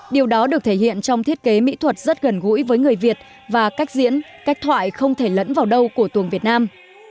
điều đó được thể hiện trong thiết kế mỹ thuật rất gần gũi với người việt và cách diễn cách thoại không thể lẫn vào đâu của tuồng việt nam